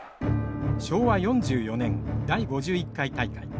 昭和４４年第５１回大会。